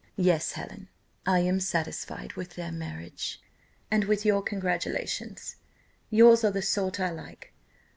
Yes, Helen, I am satisfied with their marriage, and with your congratulations: yours are the sort I like.